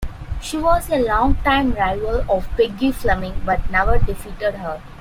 She was a long-time rival of Peggy Fleming, but never defeated her.